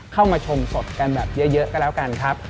เข้ามาชมสดกันแบบเยอะก็แล้วกันครับ